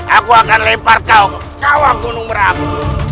aku akan lempar kau ke kawang gunung merabu